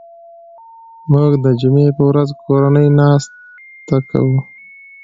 موږ د جمعې په ورځ کورنۍ ناسته کوو